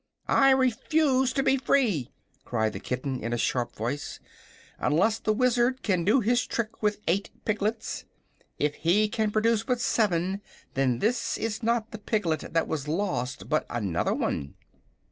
"I refuse to be free," cried the kitten, in a sharp voice, "unless the Wizard can do his trick with eight piglets. If he can produce but seven, then this it not the piglet that was lost, but another one."